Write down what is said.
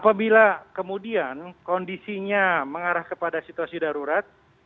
apabila kemudian kondisinya mengarah kepada situasi darurat